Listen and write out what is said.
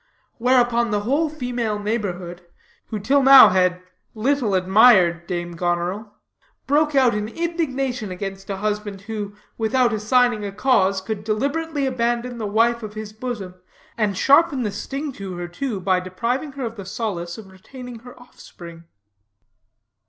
Whereupon the whole female neighborhood, who till now had little enough admired dame Goneril, broke out in indignation against a husband, who, without assigning a cause, could deliberately abandon the wife of his bosom, and sharpen the sting to her, too, by depriving her of the solace of retaining her offspring.